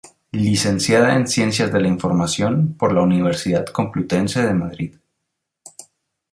Licenciada en Ciencias de la Información por la Universidad Complutense de Madrid.